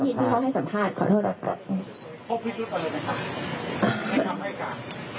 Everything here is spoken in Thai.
ได้ยินที่เขาให้สัมภาษณ์ขอโทษนะครับ